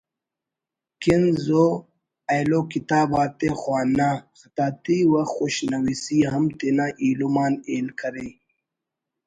کنز و ایلو کتاب آتے خوانا خطاطی و خوشنویسی ہم تینا ایلم آن ہیل کرے